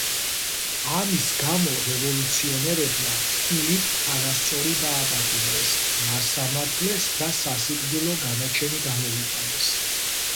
ამის გამო რევოლუციონერებმა ფილიპ თანასწორი დააპატიმრეს, გაასამართლეს და სასიკვდილო განაჩენი გამოუტანეს.